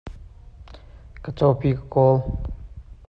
Ka cawipi ka kawl.